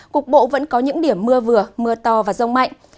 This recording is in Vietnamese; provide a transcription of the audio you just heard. cục bộ vẫn có những điểm mưa vừa mưa to và rông mạnh